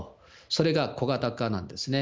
それが小型化なんですね。